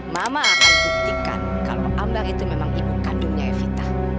mama akan buktikan kalau ambang itu memang ibu kandungnya evita